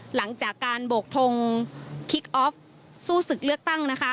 หลังจากการโบกทงคิกออฟสู้ศึกเลือกตั้งนะคะ